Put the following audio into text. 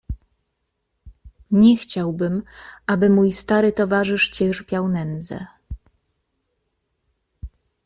"Nie chciałbym, aby mój stary towarzysz cierpiał nędzę."